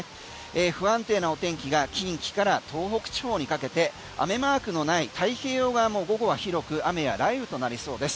不安定なお天気が近畿から東北地方にかけて雨マークのない太平洋側も午後は広く雨や雷雨となりそうです。